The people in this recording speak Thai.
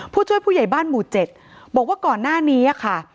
ผู้ช่วยผู้ใหญ่บ้านหมู่๗บอกว่าก่อนหน้านี้ค่ะ